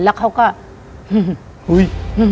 แล้วเขาก็อุ้ย